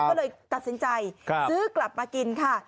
ก็เลยตัดสินใจซื้อกลับมากินค่ะ